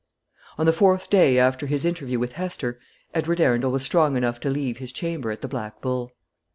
On the fourth day after his interview with Hester, Edward Arundel was strong enough to leave his chamber at the Black Bull.